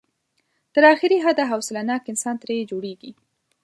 تر اخري حده حوصله ناک انسان ترې جوړېږي.